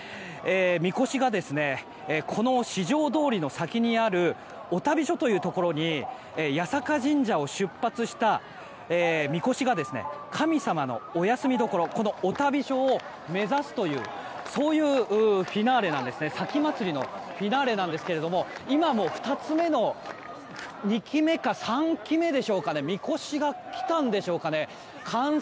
みこしが四条通の先にあるお旅所というところに八坂神社を出発したみこしが、神様のお休みどころお旅所を目指すという前祭のフィナーレなんですが今も２つ目の２基めか３基目でしょうかみこしが来たんでしょうかね。